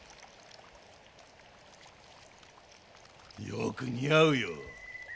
よく似合うよ。